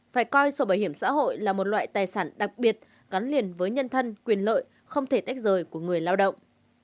phải coi sổ bảo hiểm xã hội là một loại tài sản đặc biệt gắn liền với nhân thân quyền lợi không thể tách rời của người lao động